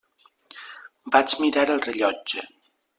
Vaig mirar el rellotge.